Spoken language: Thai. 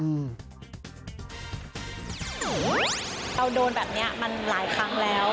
เราโดนแบบนี้มันหลายครั้งแล้ว